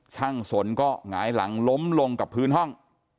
สนก็หงายหลังล้มลงกับพื้นห้อง